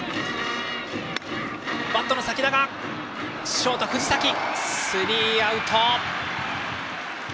ショート藤崎とってスリーアウト。